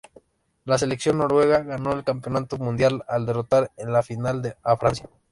La selección noruega ganó el Campeonato Mundial al derrotar en la final a Francia.